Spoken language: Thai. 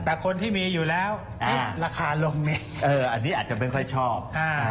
แต่คนที่มีอยู่แล้วราคาลงอันนี้อาจจะไม่ค่อยชอบ